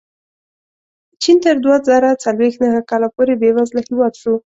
چین تر دوه زره څلوېښت نهه کاله پورې بېوزله هېواد شو.